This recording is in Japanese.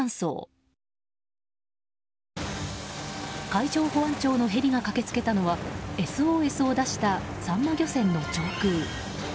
海上保安庁のヘリが駆け付けたのは、ＳＯＳを出したサンマ漁船の上空。